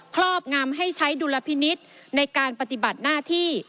ครอบงำให้ใช้ดุลพินิษฐ์ในการปฏิบัติหน้าที่